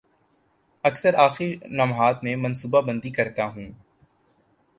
اکثر آخری لمحات میں منصوبہ بندی کرتا ہوں